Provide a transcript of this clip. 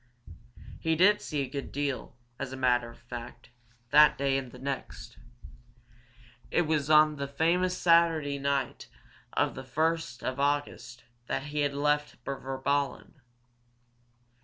He did see a good deal, as a matter of fact, that day and the next. It was on the famous Saturday night of the first of August that he had left Virballen.